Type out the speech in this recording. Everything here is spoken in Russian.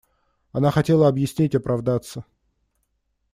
Она хотела объяснить, оправдаться.